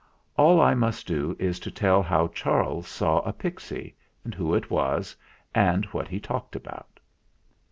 All I must do is to tell how Charles saw a pixy, and who it was, and what he talked about.